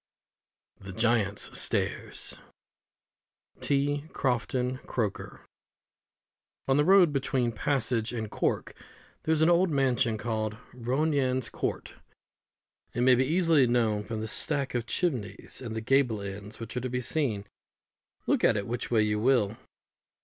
THE GIANT'S STAIRS. T. CROFTON CROKER. On the road between Passage and Cork there is an old mansion called Ronayne's Court. It may be easily known from the stack of chimneys and the gable ends, which are to be seen, look at it which way you will.